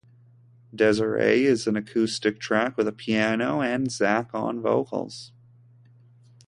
Desiree is an acoustic track with a piano and Zak on vocals.